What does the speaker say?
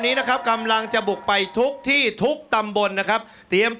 ออกออกออกออกออกออกออกออกออกออกออกออกออกออก